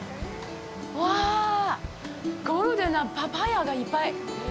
うわぁ、ゴールデンなパパイヤがいっぱい！